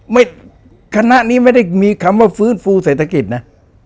คณะนี้ไม่ได้มีคำว่าฟื้นฟูเศรษฐกิจนะ